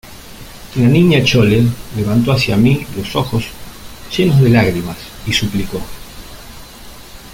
la Niña Chole levantó hacia mí los ojos llenos de lágrimas, y suplicó: